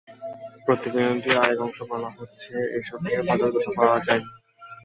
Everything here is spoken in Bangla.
প্রতিবেদনটির আরেক অংশে বলা হচ্ছে, এসব বিষয়ে পর্যাপ্ত তথ্য পাওয়া যায়নি।